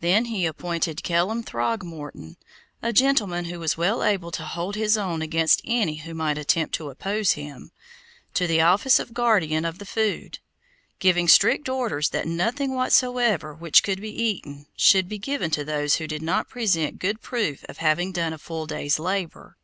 Then he appointed Kellam Throgmorton, a gentleman who was well able to hold his own against any who might attempt to oppose him, to the office of guardian of the food, giving strict orders that nothing whatsoever which could be eaten, should be given to those who did not present good proof of having done a full day's labor.